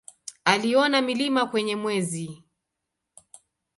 Aliona milima kwenye Mwezi.